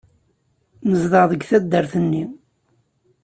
Tezdeɣ deg taddart-nni.